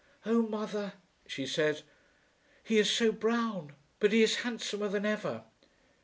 "Oh, mother," she said, "he is so brown; but he is handsomer than ever."